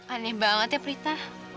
aneh banget ya prita